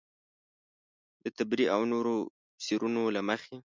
د طبري او نورو تفیسیرونو له مخې.